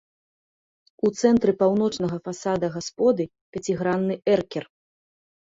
У цэнтры паўночнага фасада гасподы пяцігранны эркер.